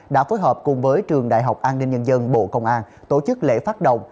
đã phối hợp cùng với trường đại học an ninh nhân dân bộ công an tổ chức lễ phát động